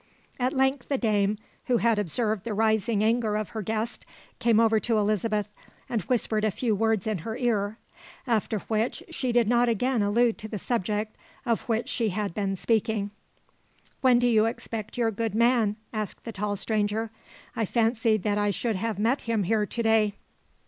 At length the dame, who had observed the rising anger of her guest, came over to Elizabeth, and whispered a few words in her ear; after which she did not again allude to the subject of which she had been speaking. "When do you expect your good man?" asked the tall stranger. "I fancied that I should have met him here to day."